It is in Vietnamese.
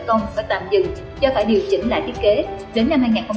tổng mức đầu tư hai mươi bảy trăm năm mươi một tỷ đồng